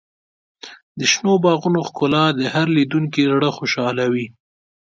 د شنو باغونو ښکلا د هر لیدونکي زړه خوشحالوي.